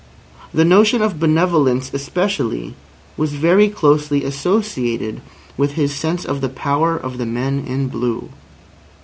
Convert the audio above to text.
The notion of benevolence especially was very closely associated with his sense of the power of the men in blue.